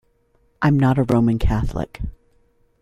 I'm not a Roman Catholic.